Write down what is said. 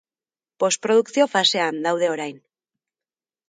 Postprodukzio fasean daude orain.